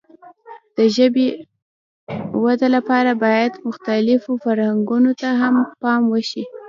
د ژبې د وده لپاره باید مختلفو فرهنګونو ته هم پام وشي.